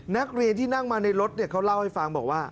นักเรียนที่นั่งมาในรถเขาเล่าให้ฟังบอกว่า